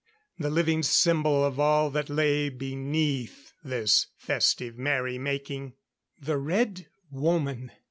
The living symbol of all that lay beneath this festive merry making. The Red Woman!